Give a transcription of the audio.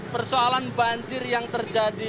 persoalan banjir yang terjadi